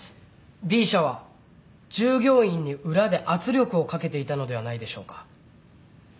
Ｂ社は従業員に裏で圧力をかけていたのではないでしょうか。